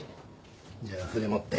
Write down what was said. じゃあ筆持って。